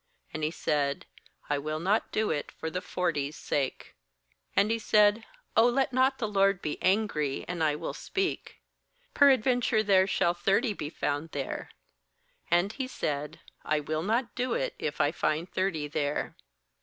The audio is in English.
And He said: 'I will not do it for the forty's sake.' s°And he said: 'Oh, let not the Lord be angry, and I will speak. Peradventure there shall thirty be found there.' And He said: 'I will not do it, if I find thirty there.'